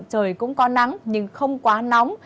trời cũng có nắng nhưng không quá nóng